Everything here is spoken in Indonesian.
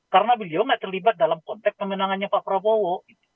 karena beliau tidak terlibat dalam konteks kemenangannya pak prabowo